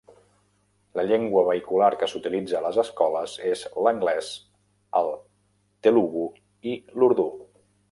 La llengua vehicular que s'utilitza a les escoles és l'anglès, el telugu i l'urdú.